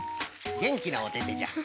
げんきなおててじゃ。